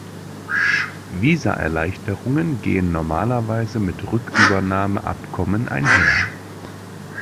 Visaerleichterungen gehen normalerweise mit Rückübernahmeabkommen einher.